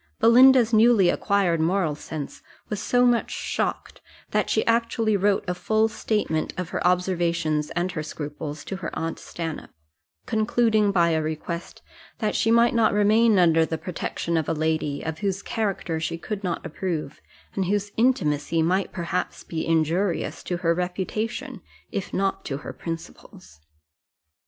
Belinda's newly acquired moral sense was so much shocked, that she actually wrote a full statement of her observations and her scruples to her aunt Stanhope; concluding by a request, that she might not remain under the protection of a lady, of whose character she could not approve, and whose intimacy might perhaps be injurious to her reputation, if not to her principles.